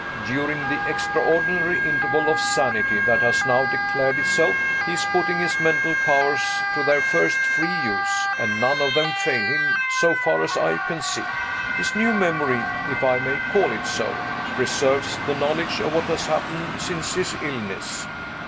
During the extraordinary interval of sanity that has now declared itself, he is putting his mental powers to their first free use; and none of them fail him, so far as I can see. His new memory (if I may call it so) preserves the knowledge of what has happened since his illness.